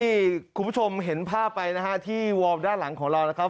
ที่คุณผู้ชมเห็นภาพไปนะฮะที่วอร์มด้านหลังของเรานะครับ